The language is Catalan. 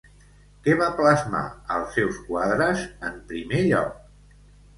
Què va plasmar als seus quadres en primer lloc?